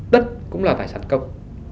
đất cũng là tài sản công